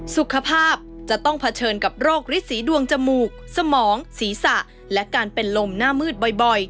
สุขภาพจะต้องเผชิญกับโรคฤทธีดวงจมูกสมองศีรษะและการเป็นลมหน้ามืดบ่อย